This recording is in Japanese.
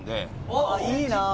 あっいいなあ！